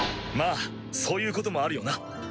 まぁそういうこともあるよな